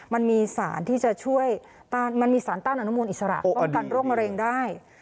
มันมีสารที่จะช่วยมันมีสารต้านอนุมูลอิสระป้องกันโรคมะเร็งได้